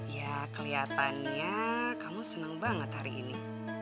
ya kelihatannya kamu senang banget hari ini